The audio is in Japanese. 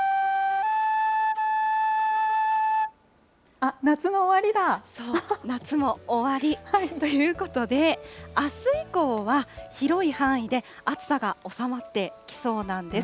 あっ、夏も終わりということで、あす以降は、広い範囲で暑さが収まってきそうなんです。